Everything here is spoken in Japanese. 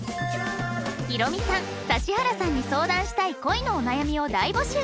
ヒロミさん指原さんに相談したい恋のお悩みを大募集